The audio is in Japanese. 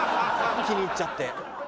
気に入っちゃって。